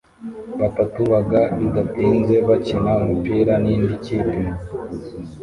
Batatu Baga Bidatinze bakina umupira nindi kipe